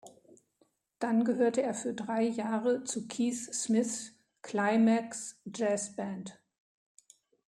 Dann gehörte er für drei Jahre zu Keith Smith’s "Climax Jazz Band".